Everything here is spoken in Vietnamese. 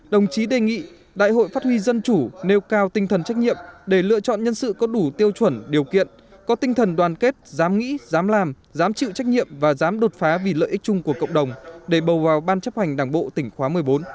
đồng chí đề nghị đại hội phát huy dân chủ nêu cao tinh thần trách nhiệm để lựa chọn nhân sự có đủ tiêu chuẩn điều kiện có tinh thần đoàn kết dám nghĩ dám làm dám chịu trách nhiệm và dám đột phá vì lợi ích chung của cộng đồng để bầu vào ban chấp hành đảng bộ tỉnh khóa một mươi bốn